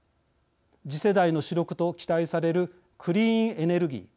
次世代の主力と期待されるクリーンエネルギー。